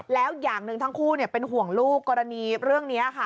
แล้วอย่างหนึ่งทั้งคู่เป็นห่วงลูกกรณีเรื่องนี้ค่ะ